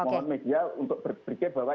mohon media untuk berpikir bahwa